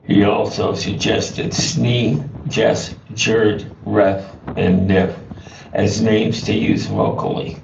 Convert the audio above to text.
He also suggested "snie", "jes", "jerd", "reff", and "niff" as names to use vocally.